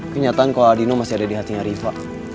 kenyataan kalau adino masih ada di hatinya riva